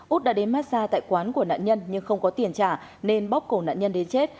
út đã đến mát xa tại quán của nạn nhân nhưng không có tiền trả nên bóc cổ nạn nhân đến chết